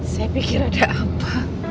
saya pikir ada apa